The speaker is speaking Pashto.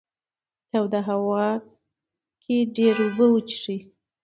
توده هوا کې ډېرې اوبه وڅښئ.